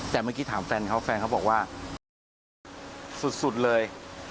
แต่เมื่อกี้ถามแฟนเขาแฟนเขาบอกว่าสุดเลย